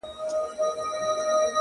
خو له تربوره څخه پور’ په سړي خوله لگوي’